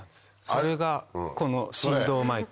あれがこの振動マイク。